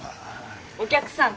お客さん